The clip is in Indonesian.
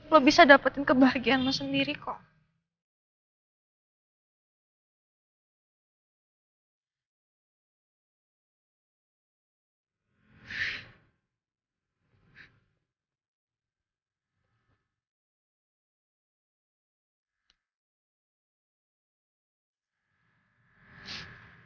lo bisa dapatin kebahagiaan lo sendiri kok